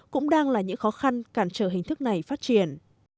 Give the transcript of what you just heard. cũng đang là những khó khăn cản trở hình thức này phát triển